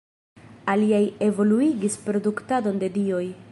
Aliaj evoluigis produktadon de dioj.